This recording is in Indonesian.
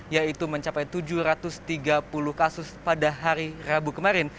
yaitu mencapai tujuh ratus tiga puluh kasus pada hari rabu kemarin